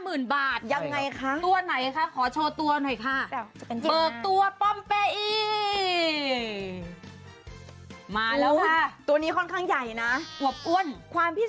เอาอย่างปอมเปอี่